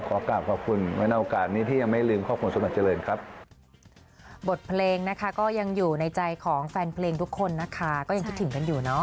ขอขอบคุณในโอกาสนี้ที่ยังไม่ลืมขอบคุณสมบัติเจริญครับ